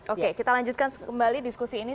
oke kita lanjutkan kembali diskusi ini